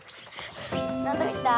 なんとかいった。